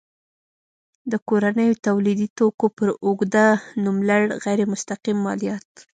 د کورنیو تولیدي توکو پر اوږده نوملړ غیر مستقیم مالیات.